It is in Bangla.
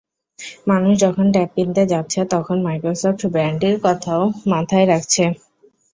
মানুষ যখন ট্যাব কিনতে যাচ্ছে তখন মাইক্রোসফট ব্র্যান্ডটির কথাও মাথায় রাখছে।